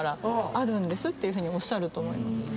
あるんですっていうふうにおっしゃると思います。